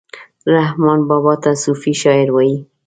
رحمان بابا ته صوفي شاعر وايي